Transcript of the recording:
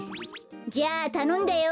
じゃあたのんだよ。